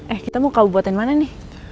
eh kita mau kabupaten mana nih